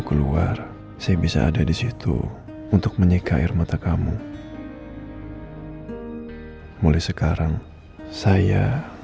keluar saya bisa ada di situ untuk menyika air mata kamu mulai sekarang saya